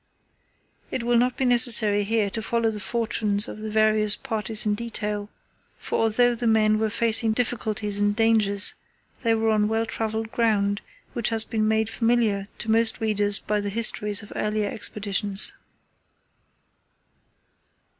It will not be necessary here to follow the fortunes of the various parties in detail, for although the men were facing difficulties and dangers, they were on well travelled ground, which has been made familiar to most readers by the histories of earlier Expeditions.